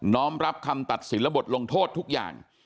้อมรับคำตัดสินและบทลงโทษทุกอย่าง